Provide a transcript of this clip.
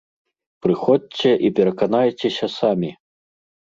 Прыходзьце і пераканайцеся самі!